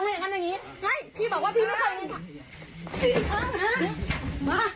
มาส่งคนอื่นทำแบบนี้ไหม